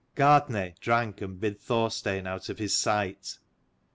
Gart naidh drank and bid Thorstein out of his sight.